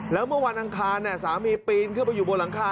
แล้วเมื่อวันอังคารสามีปีนขึ้นไปอยู่บนหลังคา